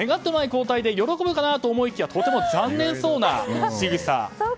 交替で喜ぶのかと思いきやとても残念そうなしぐさ。